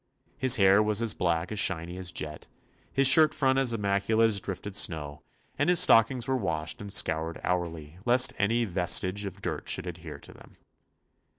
His hair was as black and shiny as jet, his shirt front as immaculate as drifted snow, and his stockings were washed and scoured hourly, lest any vestige of dirt should adhere to them.